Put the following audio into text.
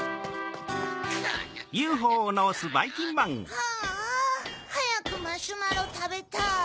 ああはやくマシュマロたべたい。